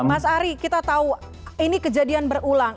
mas ari kita tahu ini kejadian berulang